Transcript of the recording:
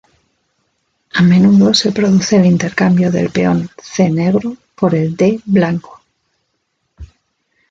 A menudo se produce el intercambio del peón c negro por el d blanco.